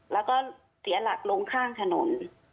แล้วก็เสียหลักลงข้างถนน